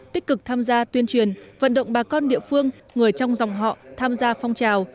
tích cực tham gia tuyên truyền vận động bà con địa phương người trong dòng họ tham gia phong trào